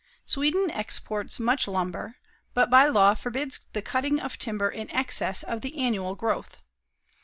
Sweden exports much lumber, but by law forbids the cutting of timber in excess of the annual growth.